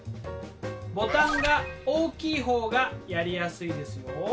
ボタンが大きい方がやりやすいですよ。